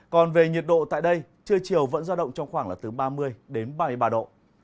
còn về nhiệt độ tại đây trưa chiều vẫn giao động trong khoảng là từ ba mươi đến ba mươi ba độ